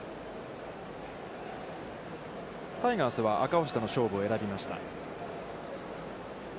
タイガースは赤星との勝負を選びました。